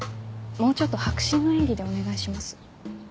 もうちょっと迫真の演技でお願いします。